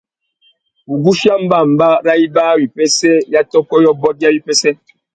Wuguchia mbămbá râ ibāwipêssê ya tôkô yôbôt ya wipêssê.